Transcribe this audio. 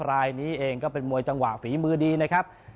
รายนี้เองก็เป็นมวยจังหวะฝีมือดีนะครับ